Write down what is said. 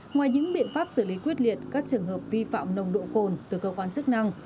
ngoài những biện pháp xử lý quyết liệt các trường hợp vi phạm nồng độ cồn từ cơ quan chức năng